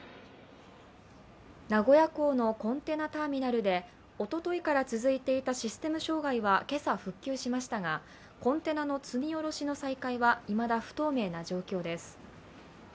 名古屋港のコンテナターミナルで、おとといから続いていたシステム障害は今朝復旧しましたが、コンテナの積み降ろしの再開はいまだ不透明な状況です。